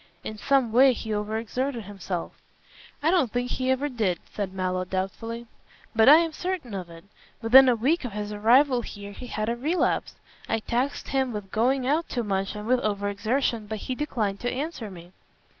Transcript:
In some way he over exerted himself." "I don't think he ever did," said Mallow, doubtfully. "But I am certain of it. Within a week of his arrival here he had a relapse. I taxed him with going out too much and with over exertion, but he declined to answer me."